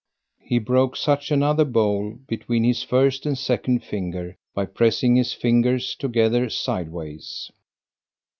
He broke such another bowl between his first and second finger, by pressing his fingers together side ways.